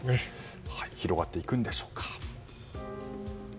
広がっていくんでしょうか。